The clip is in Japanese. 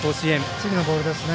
次のボールですね。